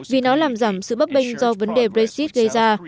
vì nó làm giảm sự bấp bênh do vấn đề brexit gây ra